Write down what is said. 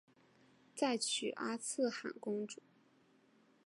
再娶阿剌罕公主。